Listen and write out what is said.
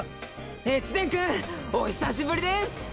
越前くんお久しぶりです！